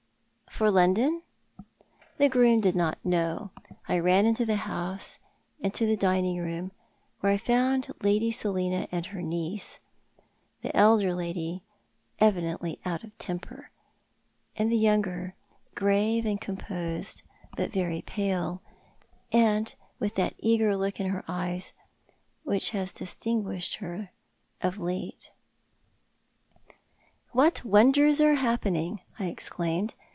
" For London ?" The groom did not know. I ran into the house, and to tho dining room, where I found Lady Selina and her niece, the elder lady evidently out of temper, the younger grave and 278 Thou art the Man. composed, but very pale, and with tliat eager look in her eyes ■which has distinguished her of late. " What wonders are happening," I exclaimed.